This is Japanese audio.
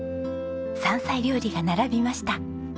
山菜料理が並びました。